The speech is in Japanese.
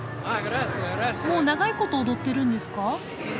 もう長いこと踊ってるんですか？